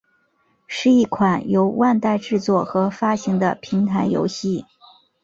是一款由万代制作和发行的平台游戏。